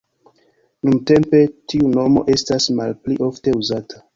Nuntempe tiu nomo estas malpli ofte uzata.